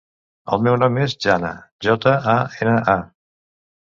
El meu nom és Jana: jota, a, ena, a.